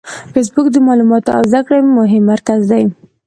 فېسبوک د معلوماتو او زده کړې مهم مرکز دی